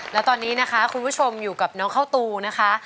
แล้วตอนนี้นะคะคุณผู้ชมอยู่กับน้องข้าวตูนะคะ